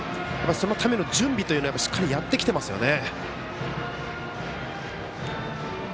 そのための準備というのはしっかりやってきてますよね。